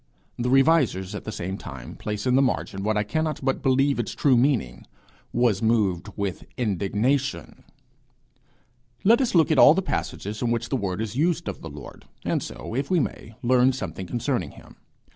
The Revisers, at the same time, place in the margin what I cannot but believe its true meaning 'was moved with indignation.' Let us look at all the passages in which the word is used of the Lord, and so, if we may, learn something concerning him.